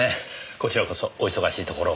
こちらこそお忙しいところを。